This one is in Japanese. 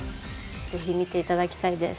ぜひ見ていただきたいです。